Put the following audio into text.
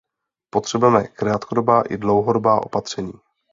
Potřebujeme krátkodobá i dlouhodobá opatření.